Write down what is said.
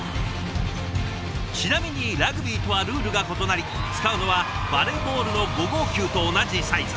ちなみにラグビーとはルールが異なり使うのはバレーボールの５号球と同じサイズ。